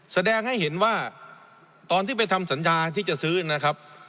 แสดงให้เห็นว่าตอนที่ไปทำสัญญาที่จะซื้อนะครับ